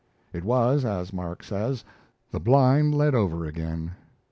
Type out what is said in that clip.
It was, as Mark says, the blind lead over again.